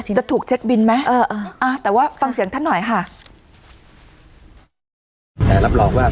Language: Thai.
จะถูกเช็คบินไหมแต่ว่าฟังเสียงท่านหน่อยค่ะ